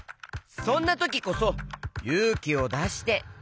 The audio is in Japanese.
そんなときこそゆうきをだして。